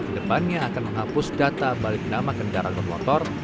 ke depannya akan menghapus data balik nama kendaraan bermotor